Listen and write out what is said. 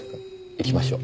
行きましょう。